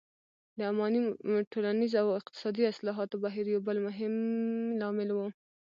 د اماني ټولنیز او اقتصادي اصلاحاتو بهیر یو بل مهم لامل و.